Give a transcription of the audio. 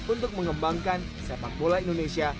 untuk mengembangkan sepak bola indonesia